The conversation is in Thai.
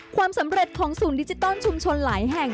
ความสำเร็จของศูนย์ดิจิตอลชุมชนหลายแห่ง